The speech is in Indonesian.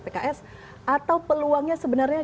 pks atau peluangnya sebenarnya